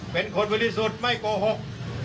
เป็นคนบริสุทธิ์ไม่โกหก